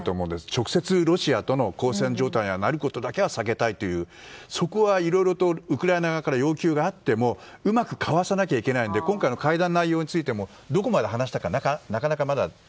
直接、ロシアとの交戦状態になることだけは避けたいというそこはいろいろとウクライナ側から要求があってもうまくかわさなきゃいけないので会談内容についてもどこまで話したか